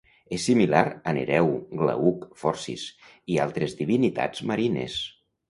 És similar a Nereu, Glauc, Forcis, i altres divinitats marines.